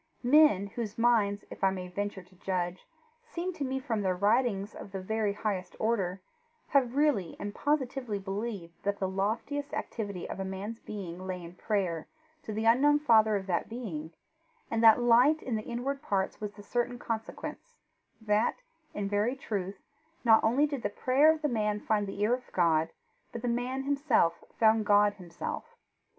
Men, whose minds, if I may venture to judge, seem to me, from their writings, of the very highest order, have really and positively believed that the loftiest activity of a man's being lay in prayer to the unknown Father of that being, and that light in the inward parts was the certain consequence that, in very truth, not only did the prayer of the man find the ear of God, but the man himself found God Himself.